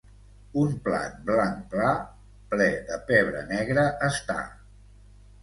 un plat blanc pla, ple de pebre negre està